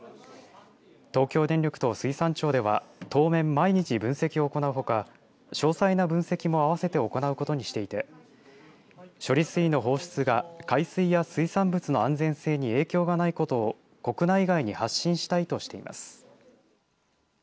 東京電力と水産庁では当面毎日分析を行うほか詳細な分析も併せて行うことにしていて処理水の放出が海水や水産物の安全性に影響がないことを国内外に発信したいとしています。